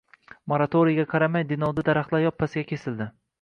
Moratoriyga qaramay, Denovda daraxtlar yoppasiga kesildi